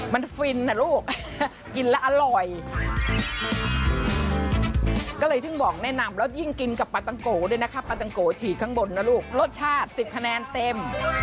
มันฟินนะลูกกินแล้วอร่อยก็เลยถึงบอกแนะนำแล้วยิ่งกินกับปลาตังโกด้วยนะคะปลาตังโกฉีกข้างบนนะลูกรสชาติ๑๐คะแนนเต็ม